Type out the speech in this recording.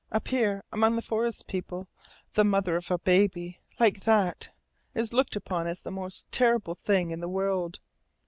Up here among the forest people the mother of a baby like that is looked upon as the most terrible thing in the world.